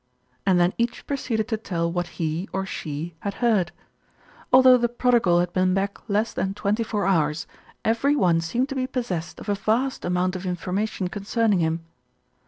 and then each proceeded to tell what he, or she, had heard. Although the prodigal had been back less than twenty four hours, every one seemed to be possessed of a vast amount of informa tion concerning him.